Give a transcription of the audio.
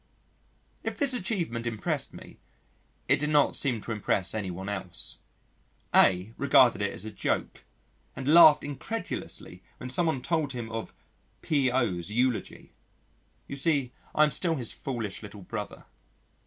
If this achievement impressed me it did not seem to impress anyone else. A regarded it as a joke and laughed incredulously when someone told him of "P.O.'s" eulogy. You see I am still his foolish little brother.